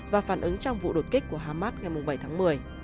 và phản ứng trong vụ đột kích của hamas ngày bảy tháng một mươi